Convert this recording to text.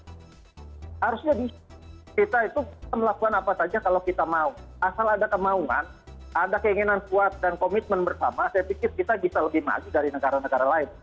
harusnya kita itu melakukan apa saja kalau kita mau asal ada kemauan ada keinginan kuat dan komitmen bersama saya pikir kita bisa lebih maju dari negara negara lain